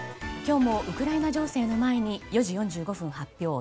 今日もウクライナ情勢の前に４時４５分発表